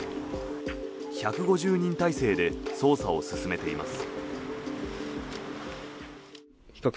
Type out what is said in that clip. １５０人態勢で捜査を進めています。